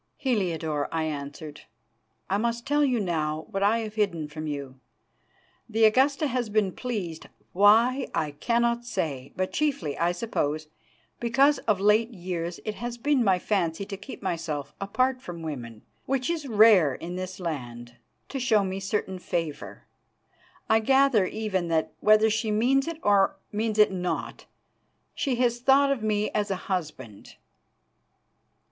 "Heliodore," I answered, "I must tell now what I have hidden from you. The Augusta has been pleased why, I cannot say, but chiefly, I suppose, because of late years it has been my fancy to keep myself apart from women, which is rare in this land to show me certain favour. I gather, even, that, whether she means it or means it not, she has thought of me as a husband."